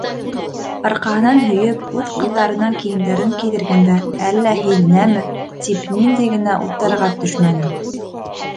Арҡаһынан һөйөп, үҙ ҡыҙҙарының кейемдәрен кейҙергәндә, әллә һиҙенәме, тип ниндәй генә уттарға төшмәнем.